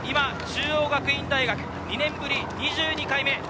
中央学院大学２年ぶり２２回目。